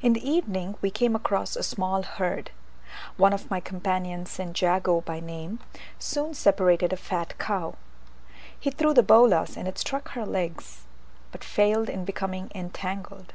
In the evening we came across a small herd. One of my companions, St. Jago by name, soon separated a fat cow: he threw the bolas, and it struck her legs, but failed in becoming entangled.